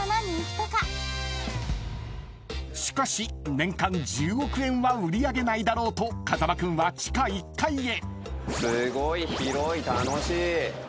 ［しかし年間１０億円は売り上げないだろうと風間君は地下１階へ］